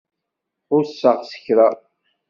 Ḥusseɣ s kra.